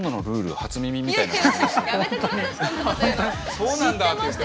「そうなんだ」って言って。